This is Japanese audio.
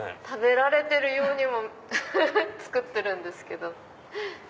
食べられてるようにも作ってるんですけど。